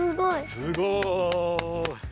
すごい。